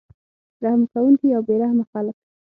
رحم کوونکي او بې رحمه خلک